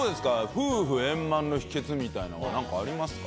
夫婦円満の秘訣みたいなのは何かありますか？